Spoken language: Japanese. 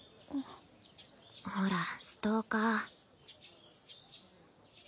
ほらストーカー